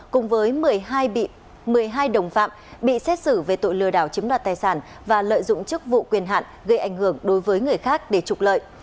cùng với một mươi hai đồng phạm bị xét xử về tội lừa đảo chiếm đoạt tài sản và lợi dụng chức vụ quyền hạn gây ảnh hưởng đối với người khác để trục lợi